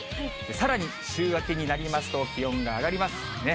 さらに週明けになりますと、気温が上がります。